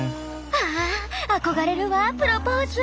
あ憧れるわプロポーズ。